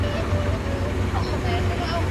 بهرنی سیاست د ملي ګټو د تامین وسیله ده.